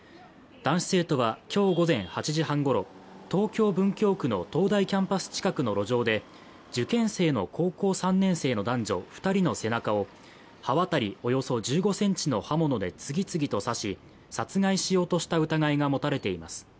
男子生徒は今日午前８時半ごろ、東京・文京区の東大キャンパス近くの路上で受験生の高校３年生の男女２人の背中を刃渡りおよそ１５ｃｍの刃物で次々と刺し、殺害しようとした疑いが持たれています。